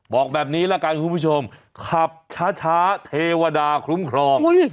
บอกแบบนี้แล้วกันคุณผู้ชมขับช้าช้าเทวดาคลุมครอบอุ้ย